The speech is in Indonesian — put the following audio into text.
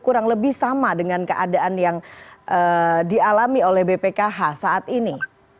kurang lebih sama dengan keadaan yang dialami oleh bpkh saat ini